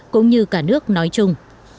cũng như cả nước nói chung